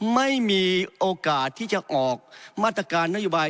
ไม่มีโอกาสที่จะออกมาตรการนโยบาย